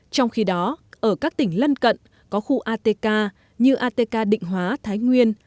trong khi đó ở các tỉnh lân cận có khu atk như atk định hóa thái nguyên